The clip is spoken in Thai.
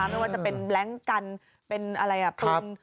ไม่ว่าจะเป็นแบล็งกันเป็นอะไรปรุง